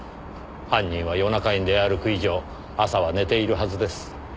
犯人は夜中に出歩く以上朝は寝ているはずです。